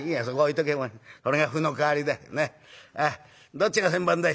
どっちが先番だい？」。